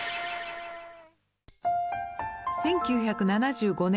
１９７５年